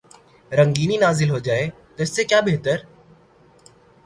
رنگینی نازل ہو جائے تو اس سے کیا بہتر۔